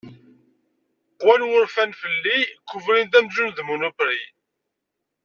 Qwan wurfan fell-i, kkubrin-d ɣur-i amzun d munupri.